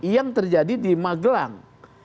yang terjadi di magelang